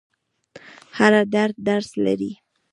هر درد درس لري.